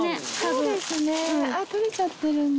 そうですね、あっ、取れちゃってるんだ。